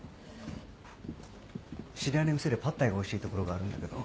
知り合いの店でパッタイがおいしい所があるんだけど。